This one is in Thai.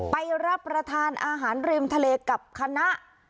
ไปรับประทานอาหารริมทะเลกับคณะ